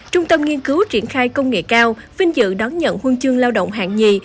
trung tâm nghiên cứu triển khai công nghệ cao vinh dự đón nhận huân chương lao động hạng nhì